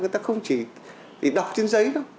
người ta không chỉ đọc trên giấy đâu